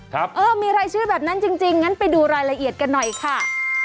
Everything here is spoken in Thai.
เออมีรายชื่อแบบนั้นจริงจริงงั้นไปดูรายละเอียดกันหน่อยค่ะ